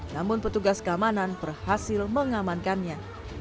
namun petugas keamanan berhasil mengamankannya